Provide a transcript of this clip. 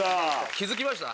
気付きました？